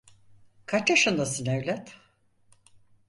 Kaç yaşındasın evlat?